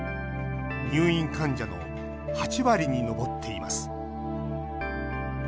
入院患者の８割に上っています。